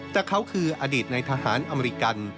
แต่เขาคืออดีตในทหารอเมริกัน